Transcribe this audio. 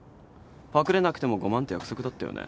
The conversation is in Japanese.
パクれなくても５万って約束だったよね？